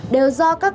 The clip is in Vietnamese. đều do các